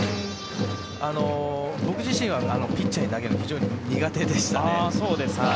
僕自身はピッチャーに投げるの非常に苦手でしたね。